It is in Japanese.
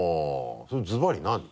それズバリなに？